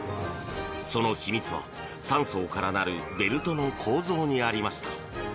その秘密は、３層からなるベルトの構造にありました。